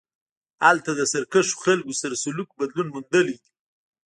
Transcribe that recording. هلته له سرکښو خلکو سره سلوک بدلون موندلی دی.